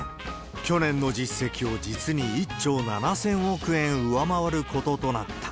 去年の実績を実に１兆７０００億円上回ることとなった。